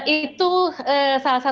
itu salah satu upacara